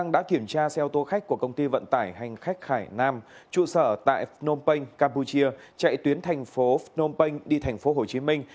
điều sở tại phnom penh campuchia chạy tuyến thành phố phnom penh đi thành phố hồ chí minh